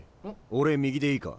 俺右でいいか？